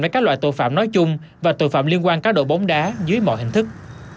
với các loại tội phạm nói chung và tội phạm liên quan cá độ bóng đá dưới mọi hình thức